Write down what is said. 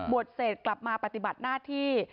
เสร็จกลับมาปฏิบัติหน้าที่